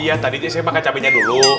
iya tadi saya makan cabainya dulu